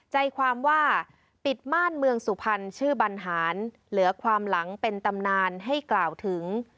ใจความว่าปิดม่านเมืองสุพรรณชื่อบรรหารเหลือความหลังเป็นตำนานให้กล่าวถึง